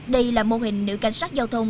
đây là mô hình nữ cảnh sát giao thông